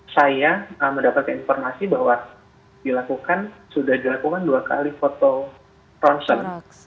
saya mendapatkan informasi bahwa sudah dilakukan dua kali foto ronsen